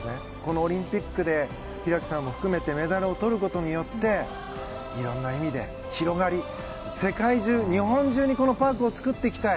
オリンピックで開さんを含めてメダルをとることによっていろんな意味で広がり世界中、日本中にこのパークを作っていきたい。